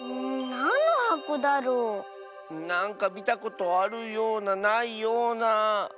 なんのはこだろう？なんかみたことあるようなないような。